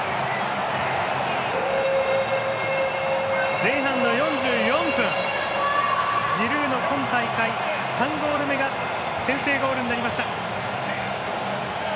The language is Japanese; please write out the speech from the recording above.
前半の４４分ジルーの今大会３ゴール目が先制ゴール！